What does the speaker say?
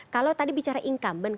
kalau tadi bicara incumbent